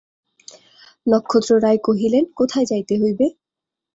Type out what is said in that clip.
নক্ষত্ররায় কহিলেন, কোথায় যাইতে হইবে?